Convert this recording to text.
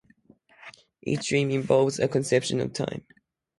Each dream involves a conception of time.